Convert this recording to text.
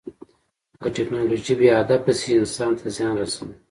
که ټیکنالوژي بې هدفه شي، انسان ته زیان رسوي.